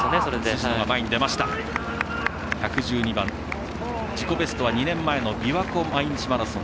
辻野、１１２番自己ベストは２年前のびわ湖毎日マラソン。